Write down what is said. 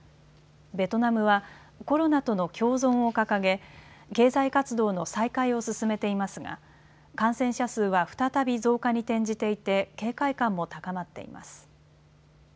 ベトナムはコロナとの共存を掲げ経済活動の再開を進めていますが感染者数は再び増加に転じていて警戒感も高まっています。